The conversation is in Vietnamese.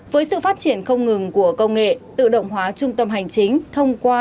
với sự phát triển không ngừng của công nghệ tự động hóa trung tâm hành chính thông qua